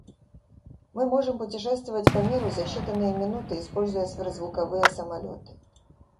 Мы можем путешествовать по миру за считанные минуты, используя сверхзвуковые самолеты.